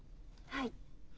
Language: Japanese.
はい。